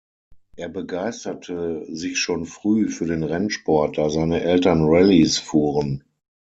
Er begeisterte sich schon früh für den Rennsport, da seine Eltern Rallyes fuhren.